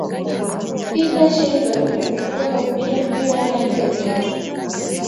Peter Shilton na kufunga kwa kupiga mpira hadi kwenye wavu